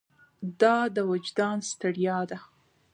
دا د وجدان ستړیا ده.